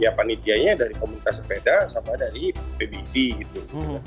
ya panitianya dari komunitas sepeda sama dari pbc gitu